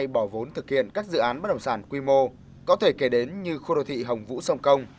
bỏ vốn thực hiện các dự án bất động sản quy mô có thể kể đến như khu đô thị hồng vũ sông công